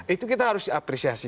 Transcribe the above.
itu kita harus apresiasi